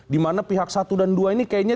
di mana pihak satu dan dua ini kayaknya